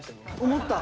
思った。